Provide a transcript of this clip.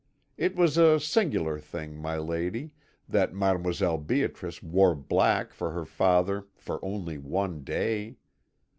It was a singular thing, my lady, that Mdlle. Beatrice wore black for her father for only one day.